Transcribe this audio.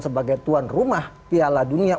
sebagai tuan rumah piala dunia